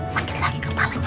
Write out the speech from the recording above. sakit lagi kepalanya